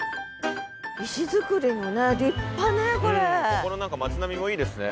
ここの何か町並みもいいですね。